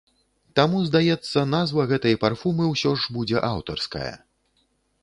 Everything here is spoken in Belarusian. Таму, здаецца, назва гэтай парфумы ўсё ж будзе аўтарская.